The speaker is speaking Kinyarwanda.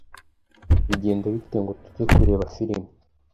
Bigenda bite ngo tujye kureba film?